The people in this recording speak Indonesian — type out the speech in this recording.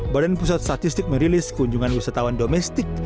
badan pusat statistik merilis kunjungan wisatawan domestik